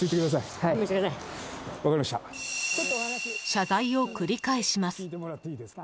謝罪を繰り返します。